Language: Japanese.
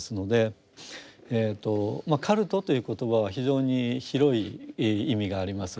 カルトという言葉は非常に広い意味があります。